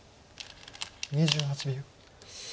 ２８秒。